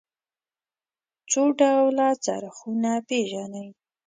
څو ډوله څرخونه پيژنئ.